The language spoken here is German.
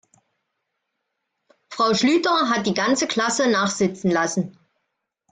Frau Schlüter hat die ganze Klasse nachsitzen lassen.